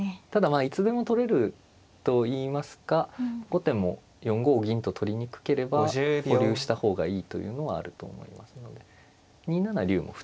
あいつでも取れるといいますか後手も４五銀と取りにくければ保留した方がいいというのはあると思いますので２七竜も普通ですね。